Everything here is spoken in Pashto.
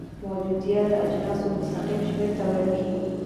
موجودیه د اجناسو مستقیم شمیر ته ویل کیږي.